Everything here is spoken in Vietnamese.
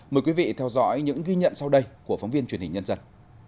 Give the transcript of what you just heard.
mời quý vị theo dõi những ghi nhận sau đây của phóng viên truyền hình nhân dân